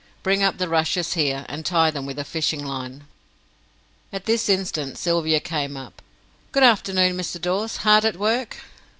Bring up the rushes here, and tie them with a fishing line." At this instant Sylvia came up. "Good afternoon, Mr. Dawes. Hard at work?